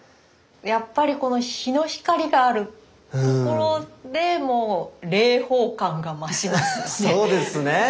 やっぱりこの日の光があるところでもう霊峰感が増しますよね。